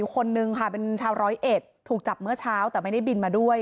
คือบัญชีม้า